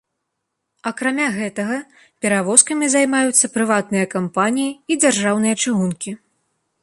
Акрамя гэтага, перавозкамі займаюцца прыватныя кампаніі і дзяржаўныя чыгункі.